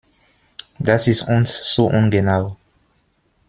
Das ist uns zu ungenau.